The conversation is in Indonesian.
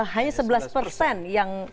hanya sebelas persen yang